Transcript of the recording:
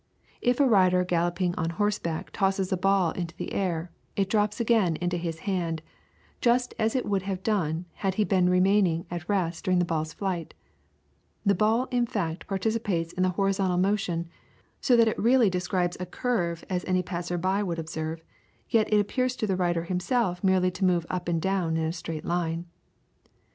If a rider galloping on horseback tosses a ball into the air, it drops again into his hand, just as it would have done had he been remaining at rest during the ball's flight; the ball in fact participates in the horizontal motion, so that though it really describes a curve as any passer by would observe, yet it appears to the rider himself merely to move up and down in a straight line.